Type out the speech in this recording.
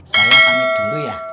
saya pamit dulu ya